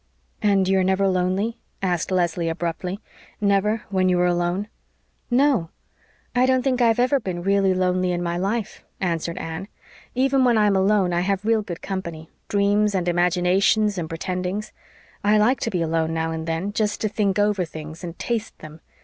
"And you are never lonely?" asked Leslie abruptly. "Never when you are alone?" "No. I don't think I've ever been really lonely in my life," answered Anne. "Even when I'm alone I have real good company dreams and imaginations and pretendings. I LIKE to be alone now and then, just to think over things and TASTE them.